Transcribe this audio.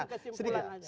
ambil kesimpulan aja